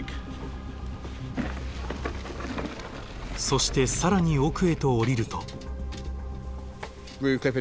そして更に奥へと降りると。